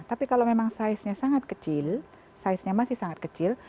tapi kalau memang size nya sangat kecil size nya masih sangat kecil